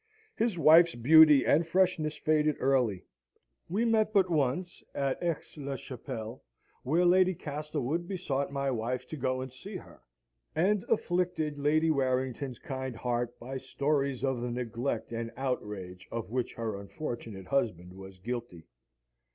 His wife's beauty and freshness faded early; we met but once at Aix la Chapelle, where Lady Castlewood besought my wife to go and see her, and afflicted Lady Warrington's kind heart by stories of the neglect and outrage of which her unfortunate husband was guilty.